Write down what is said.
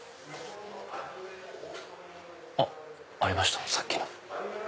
あっありましたさっきの。